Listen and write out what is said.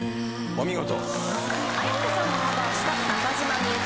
お見事。